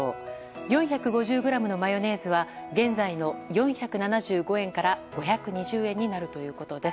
４５０ｇのマヨネーズは現在の４７５円から５２０円になるということです。